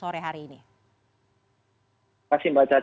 terima kasih pak pak jamin